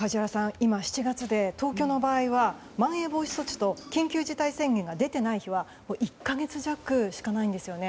今、７月で、東京の場合はまん延防止措置と緊急事態宣言が出ていない日は１か月弱しかないんですよね。